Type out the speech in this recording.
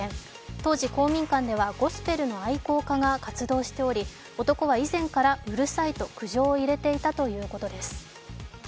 当時、公民館ではゴスペルの愛好家が活動しており男は以前からうるさいと苦情を入れていたということです。